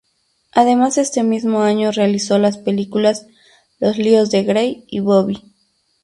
Además este mismo año realizó las películas "Los líos de Gray" y "Bobby".